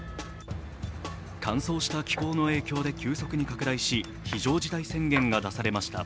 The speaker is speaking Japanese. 乾燥した気候の影響で急速に拡大し、非常事態宣言が出されました。